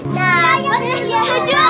nah bener ya